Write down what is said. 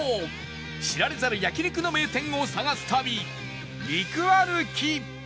知られざる焼肉の名店を探す旅肉歩き